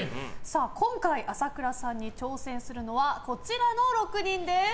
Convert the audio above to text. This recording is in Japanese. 今回、朝倉さんに挑戦するのはこちらの６人です。